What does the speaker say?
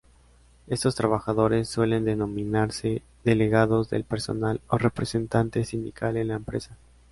Estos trabajadores suelen denominarse "delegados" del personal, o representante sindical en la empresa.